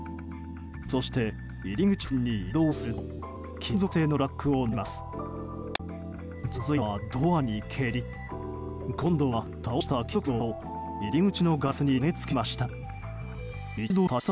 そして、入り口付近に移動すると金属製のラックをなぎ倒します。